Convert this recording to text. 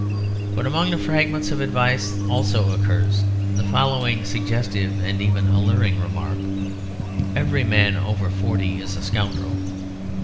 But among the fragments of advice also occurs the following suggestive and even alluring remark: "Every man over forty is a scoundrel."